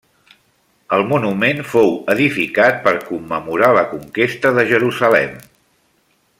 El monument fou edificat per commemorar la conquesta de Jerusalem.